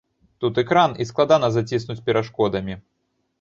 Тут экран, і складана заціснуць перашкодамі.